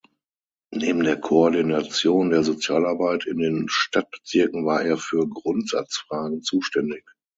Neben der Koordination der Sozialarbeit in den Stadtbezirken war er für Grundsatzfragen zuständig.